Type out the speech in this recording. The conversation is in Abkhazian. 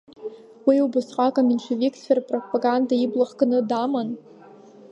Уи убасҟак аменшевикцәа рпропаганда ибла хкны даман.